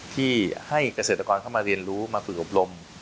ที่ให้เกษตรกรเข้ามาเรียนรู้มาฝึกอบรม